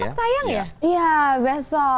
udah besok tayang ya